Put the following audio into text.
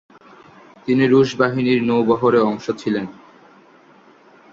তিনি রুশ বাহিনীর নৌবহরের অংশ ছিলেন।